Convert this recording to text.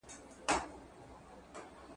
قصاص د وژلو سزا ده.